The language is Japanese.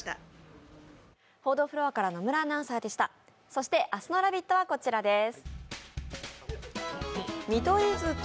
そして、明日の「ラヴィット！」はこちらです。